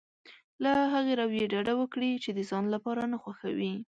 له هغې رويې ډډه وکړي چې د ځان لپاره نه خوښوي.